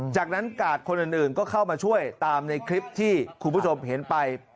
จากนั้นกาดคนอื่นก็เข้ามาช่วยตามในคลิปที่คุณผู้ชมเห็นไป